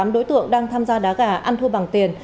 một mươi tám đối tượng đang tham gia đá gà ăn thua bằng tiền